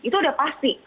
itu udah pasti